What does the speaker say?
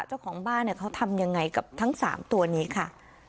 เจ้าของบ้านเขาทำยังไงกับทั้ง๓ตัวนี้ค่ะ